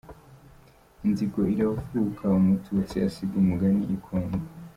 Inzigo iravuka umututsi asiga umugani i Congo!